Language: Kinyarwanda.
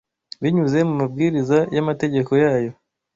binyuze mu mabwiriza y’amategeko yayo.